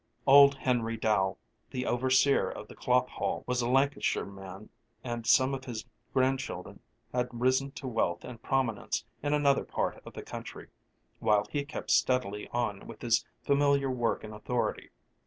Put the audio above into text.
Old Henry Dow, the overseer of the cloth hall, was a Lancashire man and some of his grandchildren had risen to wealth and prominence in another part of the country, while he kept steadily on with his familiar work and authority.